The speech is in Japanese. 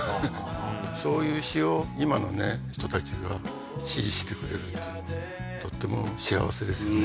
そういう詞を今のね人たちが支持してくれるっていうのはとっても幸せですよね